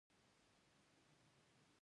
امیر شیر علي خان پښتو اصطلاحات کارول.